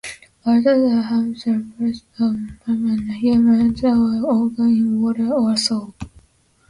Others are harmless parasites of mammals and humans or occur in water or soil.